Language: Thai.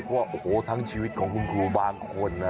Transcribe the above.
เพราะว่าโอ้โหทั้งชีวิตของคุณครูบางคนนะ